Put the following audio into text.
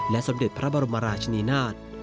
สมเด็จพระบรมราชนีนาฏ